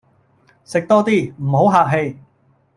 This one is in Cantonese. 食多啲，唔好客氣